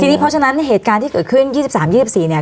เพราะฉะนั้นเหตุการณ์ที่เกิดขึ้น๒๓๒๔เนี่ย